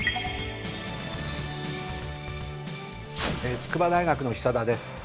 筑波大学の久田です。